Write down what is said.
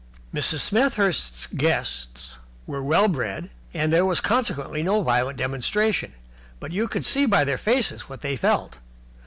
Mrs. Smethurst's guests were well bred, and there was consequently no violent demonstration, but you could see by their faces what they felt.